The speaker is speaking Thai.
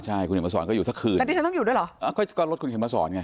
ใช่คุณเห็นมาสอนก็อยู่สักคืนแล้วดิฉันต้องอยู่ด้วยเหรออ่าก็ก็รถคุณเขียนมาสอนไง